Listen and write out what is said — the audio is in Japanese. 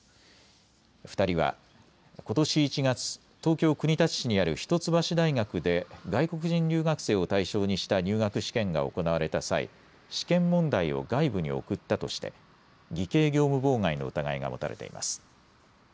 ２人はことし１月、東京国立市にある一橋大学で外国人留学生を対象にした入学試験が行われた際、試験問題を外部に送ったとして偽計業務妨害の疑いが持たれています。